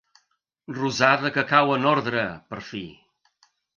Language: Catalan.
Rosada que cau en ordre, per fi.